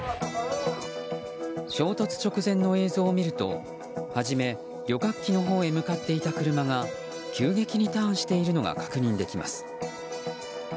衝突直前の映像を見るとはじめ、旅客機のほうへ向かっていた車が、急激にターンしているのが確認できます。